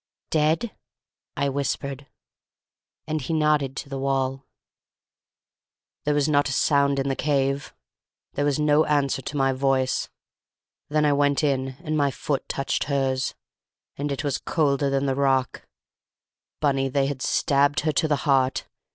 "Dead?" I whispered. And he nodded to the wall. "There was not a sound in the cave. There was no answer to my voice. Then I went in, and my foot touched hers, and it was colder than the rock ... Bunny, they had stabbed her to the heart.